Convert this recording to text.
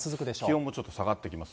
気温がちょっと下がってきます。